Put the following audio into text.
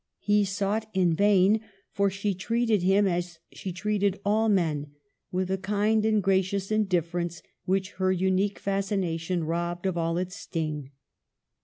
He sought in vain, for she treated him as she treated all men, with a kind and gracious indifference which her unique fascination robbed of all its sting.